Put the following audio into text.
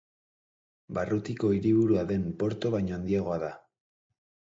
Barrutiko hiriburua den Porto baino handiagoa da.